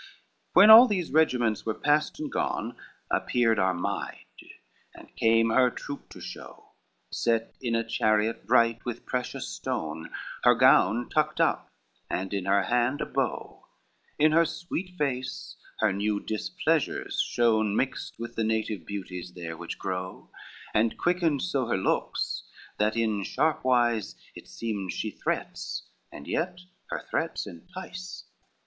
XXXIII When all these regiments were passed and gone, Appeared Armide, and came her troop to show; Set in a chariot bright with precious stone, Her gown tucked up, and in her hand a bow; In her sweet face her new displeasures shone, Mixed with the native beauties there which grow, And quickened so her looks that in sharp wise It seems she threats and yet her threats entice.